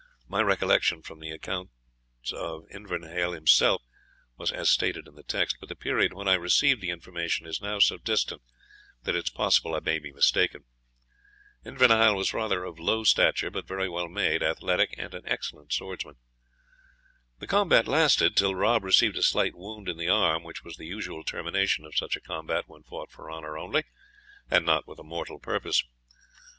My recollection, from the account of Invernahyle himself, was as stated in the text. But the period when I received the information is now so distant, that it is possible I may be mistaken. Invernahyle was rather of low stature, but very well made, athletic, and an excellent swordsman. The combat lasted till Rob received a slight wound in the arm, which was the usual termination of such a combat when fought for honour only, and not with a mortal purpose.